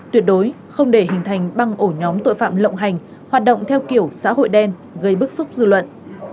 tuyệt đối không để hình thành băng ổ nhóm tội phạm lộng hành hoạt động theo kiểu xã hội đen gây bức xúc dư luận